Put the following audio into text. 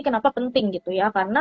kenapa penting karena